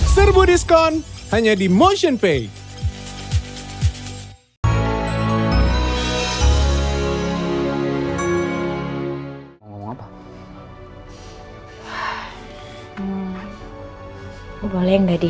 serbu diskon hanya di motionpay